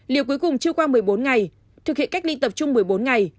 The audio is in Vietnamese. liệu cuối cùng chưa qua một mươi bốn ngày thực hiện cách ly tập trung một mươi bốn ngày